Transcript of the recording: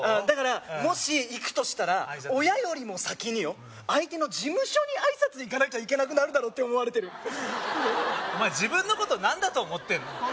だからもし行くとしたら親よりも先によ相手の事務所に挨拶行かなきゃいけなくなるだろって思われてるお前自分のこと何だと思ってんの？